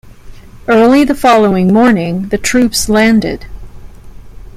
Early the following morning, the troops landed.